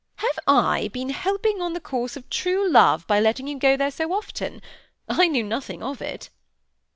Have I been helping on the course of true love by letting you go there so often? I knew nothing of it."